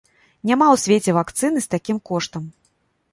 Няма ў свеце вакцыны з такім коштам!